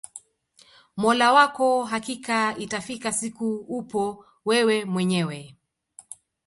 mola wako hakika itafika siku upo wewe mwenyewe